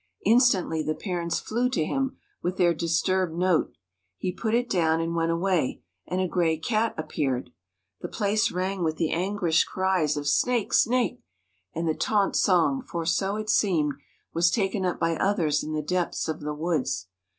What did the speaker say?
Instantly the parents flew to him with their disturbed note. He put it down and went away, and a gray cat appeared. The place rang with the anguished cries of snake! snake! and the "taunt song," for so it seemed, was taken up by others in the depths of the woods.